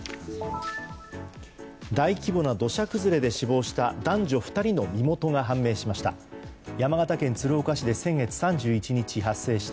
大規模な土砂崩れで死亡した男女２人の身元が判明しました。